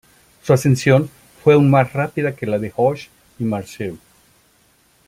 Su ascensión fue aún más rápida que la de Hoche y Marceau.